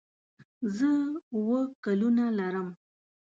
زه اووه ګلونه لرم.